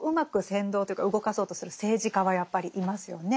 扇動というか動かそうとする政治家はやっぱりいますよね。